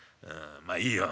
まあいいよ。